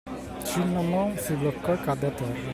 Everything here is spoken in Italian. Cinnamon si bloccò e cadde a terra.